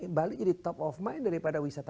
langsung bali jadi top of mind daripada wisata